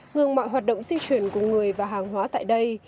ngừng mọi hoạt động di chuyển của người và hàng hóa tại đây